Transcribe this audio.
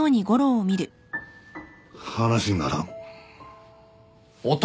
話にならん。